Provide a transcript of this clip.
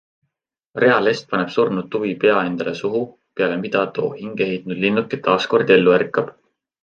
Rea Lest paneb surnud tuvi pea endale suhu, peale mida too hingeheitnud linnuke taaskord ellu ärkab.